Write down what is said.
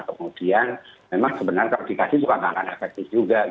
kemudian memang sebenarnya kredikasi juga tidak akan efektif juga